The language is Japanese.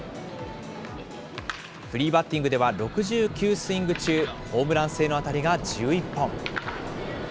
フリーバッティングでは、６９スイング中ホームラン性の当たりが１１本。